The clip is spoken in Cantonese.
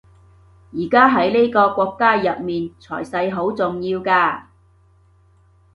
而家喺呢個國家入面財勢好重要㗎